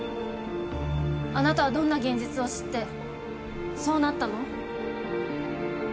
あなたはどんな現実を知ってそうなったの？